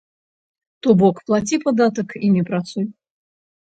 То бок, плаці падатак і не працуй!